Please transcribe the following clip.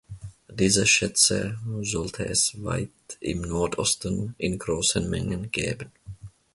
Diese Schätze sollte es weit im Nordosten in großen Mengen geben.